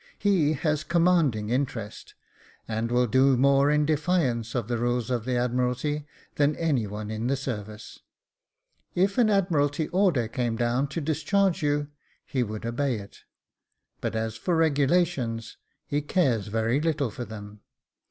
He has commanding interest, and will do more in defiance of the rules of the Admiralty, than any one in the service. If an Admiralty order came down to discharge you, he would obey it •, but as for regulations, he cares very little for them.